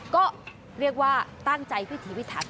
ก็เรียกว่าตั้งใจพิธีพิถัน